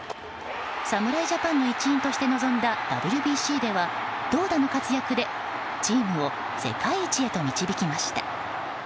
侍ジャパンの一員として臨んだＷＢＣでは投打の活躍でチームを世界一へと導きました。